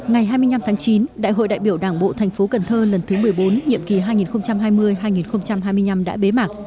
ngày hai mươi năm tháng chín đại hội đại biểu đảng bộ tp cn lần thứ một mươi bốn nhiệm kỳ hai nghìn hai mươi hai nghìn hai mươi năm đã bế mạc